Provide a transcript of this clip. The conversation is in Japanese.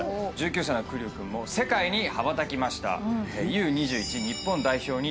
１９歳の玖生君も世界に羽ばたきました。